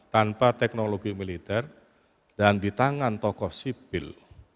tanpa teknologi militer dan di tangan tokoh sipil